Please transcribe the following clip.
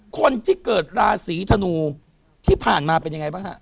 คนที่เกิดราศีธนูที่ผ่านมาเป็นยังไงบ้างฮะ